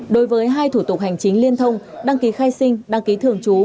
đối với hai thủ tục hành chính liên thông đăng ký khai sinh đăng ký thường trú